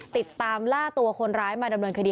ติดตามล่าตัวคนร้ายมาดำเนินคดี